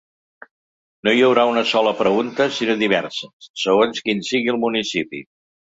No hi haurà una sola pregunta sinó diverses, segons quin sigui el municipi.